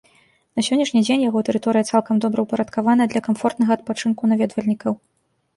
На сённяшні дзень яго тэрыторыя цалкам добраўпарадкавана для камфортнага адпачынку наведвальнікаў.